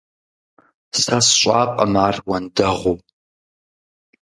Сэ сщӀакъым ар уэндэгъуу.